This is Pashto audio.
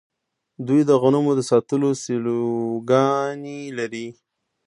دوی د غنمو د ساتلو سیلوګانې لري.